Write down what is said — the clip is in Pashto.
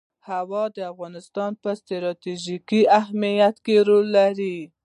هوا د افغانستان په ستراتیژیک اهمیت کې رول لري.